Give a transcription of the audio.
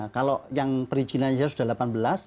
kalau yang perizinan sudah delapan belas